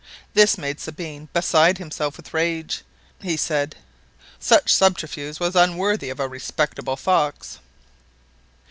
This made Sabine beside himself with rage "for," he said, "such a subterfuge was unworthy of a respectable fox."